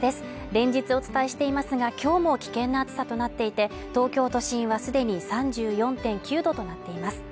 連日お伝えしていますが今日も危険な暑さとなっていて東京都心はすでに３４．９度となっています